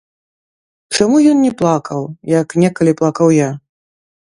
Чаму ён не плакаў, як некалі плакаў я?